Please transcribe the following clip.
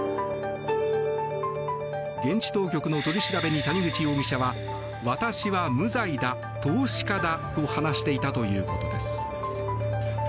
現地当局の取り調べに谷口容疑者は私は無罪だ、投資家だと話していたということです。